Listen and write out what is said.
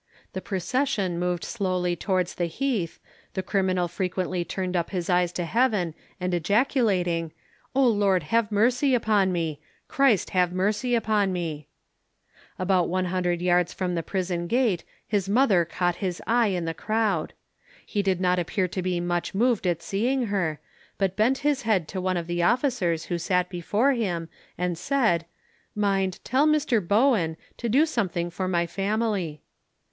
The procession moved slowly towards the heath, the criminal frequently turned up his eyes to heaven, and ejaculating "O Lord, have mercy upon me! Christ, have mercy upon me!" About 100 yards from the prison gate his mother caught his eye in the crowd. He did not appear to be much moved at seeing her, but bent his head to one of the officers who sat before him, and said, "Mind, tell Mr Bowen to do something for my family."